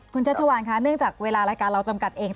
คุณชัชวานค่ะเนื่องจากเวลารายการเราจำกัดเอง